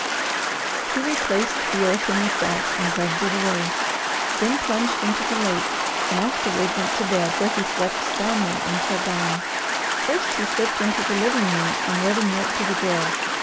He replaced the earth in the sack and dragged it away, then plunged into the lake, and afterward went to bed, where he slept soundly until dawn. First, he slipped into the living room and wrote a note to the Girl.